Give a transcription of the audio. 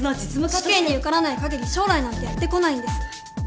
試験に受からない限り将来なんてやって来ないんです。